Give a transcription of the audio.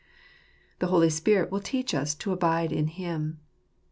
The Holy Spirit will teach us to abide in Him.